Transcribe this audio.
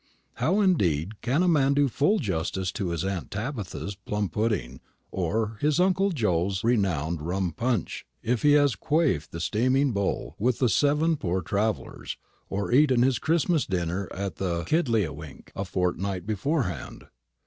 How, indeed, can a man do full justice to his aunt Tabitha's plum pudding, or his uncle Joe's renowned rum punch, if he has quaffed the steaming bowl with the "Seven Poor Travellers," or eaten his Christmas dinner at the "Kiddleawink" a fortnight beforehand?